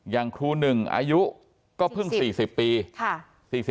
อย่างครูหนึ่งอายุก็เพิ่ง๔๐ปี